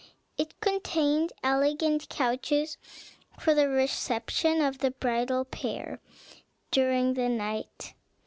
It contained elegant couches, for the reception of the bridal pair during the night.